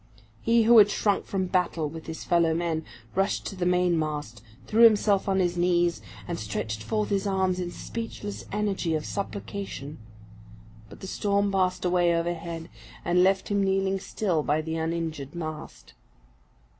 He who had shrunk from battle with his fellow men, rushed to the mainmast, threw himself on his knees, and stretched forth his arms in speechless energy of supplication; but the storm passed away overhead, and left him kneeling still by the uninjured mast.